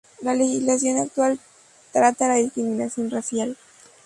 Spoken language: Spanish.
La legislación actual trata la discriminación racial.